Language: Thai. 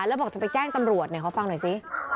แล้วบอกจะไปแจ้งตำรวจขอฟังหน่อยสิ